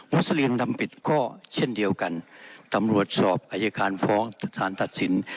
สลินทำผิดก็เช่นเดียวกันตำรวจสอบอายการฟ้องสารตัดสิน